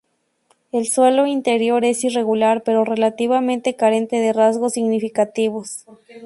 El suelo interior es irregular pero relativamente carente de rasgos significativos.